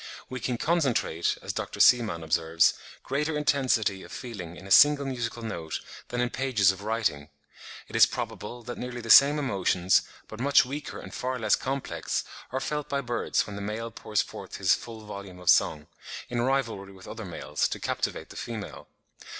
We can concentrate, as Dr. Seemann observes, greater intensity of feeling in a single musical note than in pages of writing. It is probable that nearly the same emotions, but much weaker and far less complex, are felt by birds when the male pours forth his full volume of song, in rivalry with other males, to captivate the female.